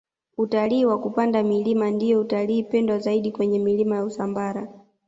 utalii wa kupanda milima ndiyo utalii pendwa zaidi kwenye milima ya usambara